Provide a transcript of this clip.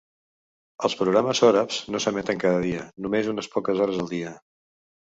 Els programes sòrabs no s'emeten cada dia, només unes poques hores al dia.